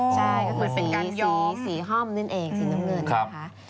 ใช่ก็คือเป็นการสีห้อมนั่นเองสีน้ำเงินนะคะ